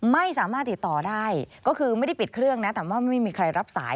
ไม่สามารถติดต่อได้ก็คือไม่ได้ปิดเครื่องนะแต่ว่าไม่มีใครรับสาย